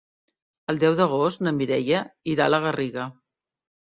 El deu d'agost na Mireia irà a la Garriga.